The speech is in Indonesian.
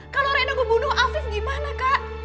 kalau reno ngebunuh afif gimana kak